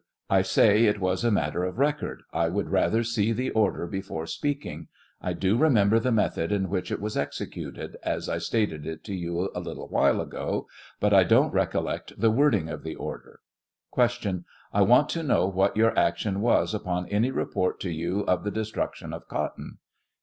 I say it was a matter of record ; I would rather see the order before speaking ; I do remember the method in which it was executed, as I stated it to you a little while ago, but 1 don't recollect the wording of the order. Q. I want to know what your action was upon any report to you of the destruction of cotton